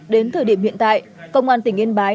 đến thời điểm hiện tại công an tỉnh yên bái